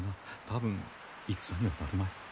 多分戦にはなるまい。